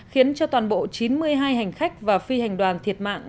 khiến cho toàn bộ chín mươi hai hành khách và phi hành đoàn thiệt mạng